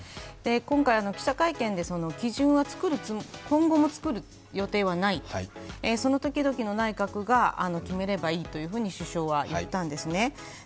今回、記者会見で今後も基準は作る予定はない、その時々の内閣が決めればいいと首相は言ったんですね。